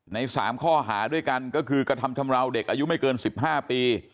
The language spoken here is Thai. ใน๓ข้อหาด้วยกันก็คือกระทำชำราวเด็กอายุไม่เกิน๑๕ปี